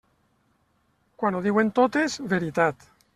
Quan ho diuen totes, veritat.